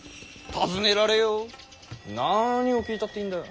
何を聞いたっていいんだ。